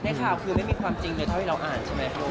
ข่าวคือไม่มีความจริงเลยเท่าที่เราอ่านใช่ไหมลูก